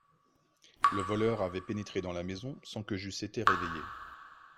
Le voleur avait pénétré dans la maison sans que j'eusse été réveillé.